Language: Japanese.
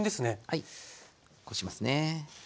はいこしますね。